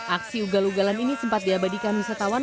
aksi ugal ugalan ini sempat diabadikan wisatawan